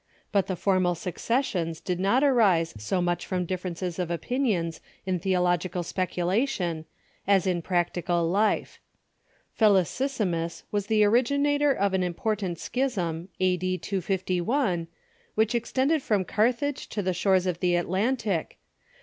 But the formal secessions did not arise so much from differences of opinions in theological Schism of speculation as in practical life. Felicissimus was Felicissimus i '■ the originator of an important schism, a.d. 251, which extended from Carthage to the shores of the Atlantic.